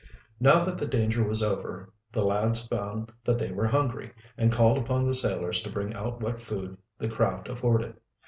Now that the danger was over the lads found that they were hungry, and called upon the sailors to bring out what food the craft afforded.